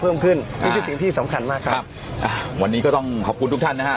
เพิ่มขึ้นนี่คือสิ่งที่สำคัญมากครับครับอ่าวันนี้ก็ต้องขอบคุณทุกท่านนะฮะ